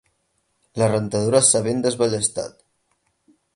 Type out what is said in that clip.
La rentadora s'ha ben desballestat.